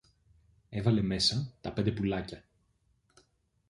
Έβαλε μέσα τα πέντε πουλάκια.